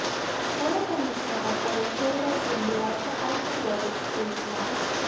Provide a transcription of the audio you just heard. Está organizada por la Federación de Alta Austria de Ciclismo.